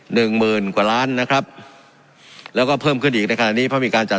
หนึ่งหมื่นกว่าล้านนะครับแล้วก็เพิ่มขึ้นอีกในขณะนี้เพราะมีการจัด